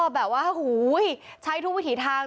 แบบว่าใช้ทุกวิถีทาง